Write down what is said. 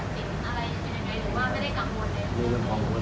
ไม่ได้กังวลไม่ได้กังวลแต่ว่าเรื่องของสาร